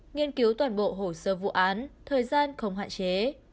nghiên cứu toàn bộ hồ sơ vụ án thời gian không hạn chế